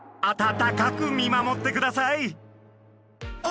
温かく見守ってください。